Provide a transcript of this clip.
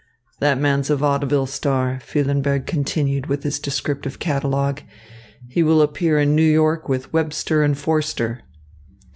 "That man's a vaudeville star," Füllenberg continued with his descriptive catalogue. "He will appear in New York with Webster and Forster."